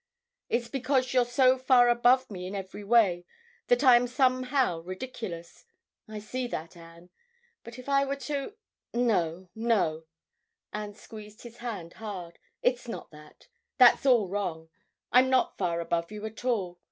It's because you're so far above me in every way that I am somehow ridiculous. I see that, Anne. But if I were to—" "No, no." Anne squeezed his hand hard. "It's not that. That's all wrong. I'm not far above you at all.